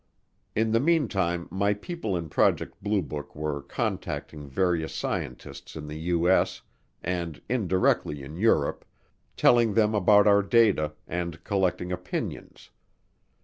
In the meantime my people in Project Blue Book were contacting various scientists in the U.S., and indirectly in Europe, telling them about our data, and collecting opinions.